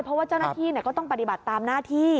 เพราะว่าเจ้าหน้าที่ก็ต้องปฏิบัติตามหน้าที่